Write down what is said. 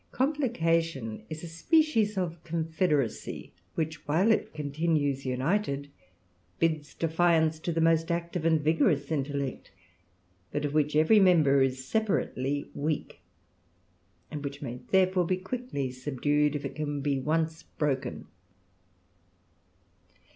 Complication is a species of confederacy which, while it continues united, bids defiance to the most active and vigorous intellect ; but of which every member is separately weak, and which may therefore be quickly subdued, if it can once be broken.